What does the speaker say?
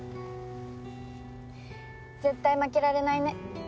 絶対負けられないね。